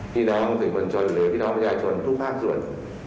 พี่น้องสื่อมวลชนหรือพี่น้องประชาชนทุกภาคส่วน